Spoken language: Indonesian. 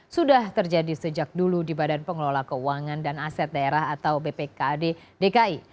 sudah terjadi sejak dulu di badan pengelola keuangan dan aset daerah atau bpkad dki